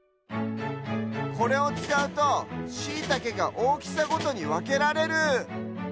これをつかうとシイタケがおおきさごとにわけられる！